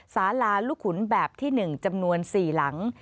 สาลาลูกขุนแบบที่๑จำนวน๔หลัง